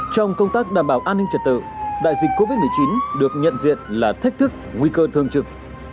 trong công tác đảm bảo an ninh trật tự đại dịch covid một mươi chín được nhận diện là thách thức nguy cơ thương trực